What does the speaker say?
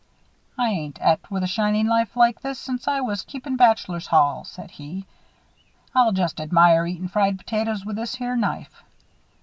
"I ain't et with a shiny knife like this since I was keepin' bachelor's hall," said he. "I'll just admire eatin' fried potatoes with this here knife."